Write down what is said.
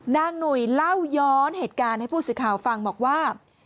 หนุ่ยเล่าย้อนเหตุการณ์ให้ผู้สื่อข่าวฟังบอกว่า